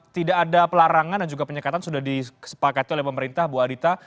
tidak ada pelarangan dan juga penyekatan sudah disepakati oleh pemerintah bu adita